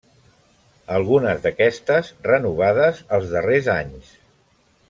Algunes d'aquestes renovades els darrers anys.